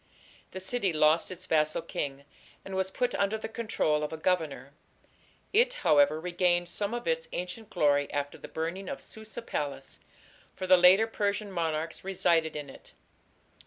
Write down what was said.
" The city lost its vassal king, and was put under the control of a governor. It, however, regained some of its ancient glory after the burning of Susa palace, for the later Persian monarchs resided in it.